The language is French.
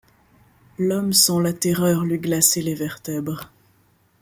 L’homme sent la terreur lui glacer les vertèbres